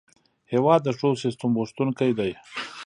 هېواد د ښو سیسټم غوښتونکی دی.